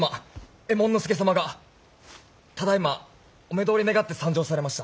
右衛門佐様がただいまお目通りを願って参上されました。